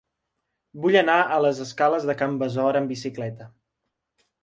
Vull anar a les escales de Can Besora amb bicicleta.